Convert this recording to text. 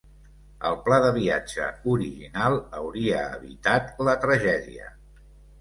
El pla de viatge original hauria evitat la tragèdia.